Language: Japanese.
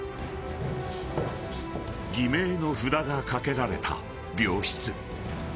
［偽名の札が掛けられた病室］